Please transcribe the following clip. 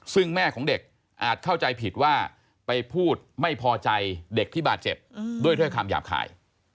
ซึ่งแม่ของเด็กอาจเข้าใจผิดว่าไปพูดไม่พอใจเด็กที่บาดเจ็บด้วยถ้อยคำหยาบคาย